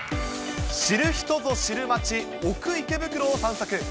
知る人ぞ知る街、奥池袋を散策。